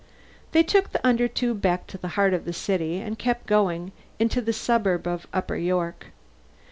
They took the Undertube back to the heart of the city and kept going, into the suburb of Upper York.